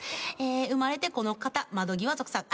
生まれてこのかた窓際族さん。